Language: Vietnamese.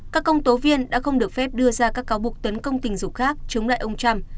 các công tố viên đã không được phép đưa ra các cáo buộc tấn công tình dục khác chống lại ông trump